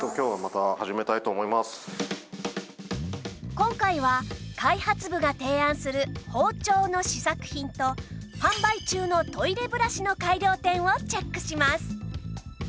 今回は開発部が提案する包丁の試作品と販売中のトイレブラシの改良点をチェックします